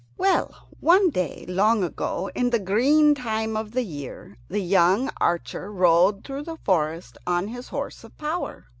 Well, one day long ago, in the green time of the year, the young archer rode through the forest on his horse of power.